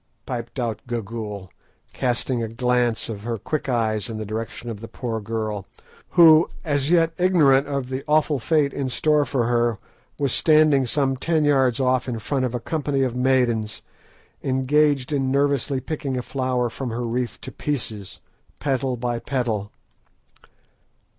_" piped out Gagool, casting a glance of her quick eyes in the direction of the poor girl, who, as yet ignorant of the awful fate in store for her, was standing some ten yards off in front of a company of maidens, engaged in nervously picking a flower from her wreath to pieces, petal by petal.